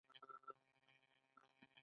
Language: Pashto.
مصنوعي ځیرکتیا د انصاف اړتیا څرګندوي.